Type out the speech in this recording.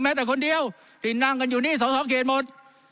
แต่คนเดียวที่นั่งกันอยู่นี่สสเขตหมด